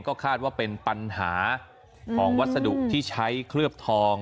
ก็คาดว่าเป็นปัญหาทองวัสดุที่ใช้เคลือบทอง